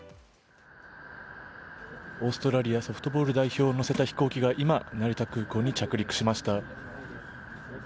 オーストラリアソフトボール代表を乗せた飛行機が今、成田空港に着陸しました。